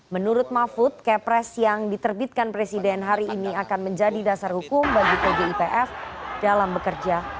menurut mahfud k press yang diterbitkan presiden hari ini akan menjadi dasar hukum bagi tg ipf dalam bekerja